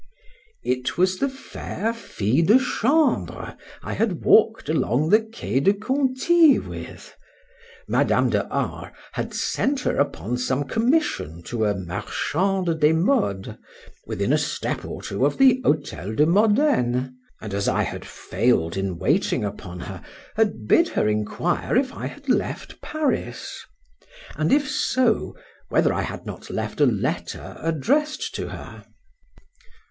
It was the fair fille de chambre I had walked along the Quai de Conti with; Madame de R— had sent her upon some commission to a marchande des modes within a step or two of the Hôtel de Modene; and as I had fail'd in waiting upon her, had bid her enquire if I had left Paris; and if so, whether I had not left a letter addressed to her.